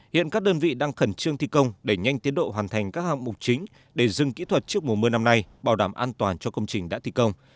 hiện các đơn vị đang khẩn trương thi công đẩy nhanh tiến độ hoàn thành các hạng mục chính để dừng kỹ thuật trước mùa mưa năm nay bảo đảm an toàn cho công trình đã thi công